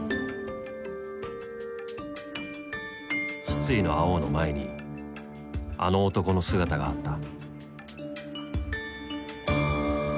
失意の碧の前にあの男の姿があった。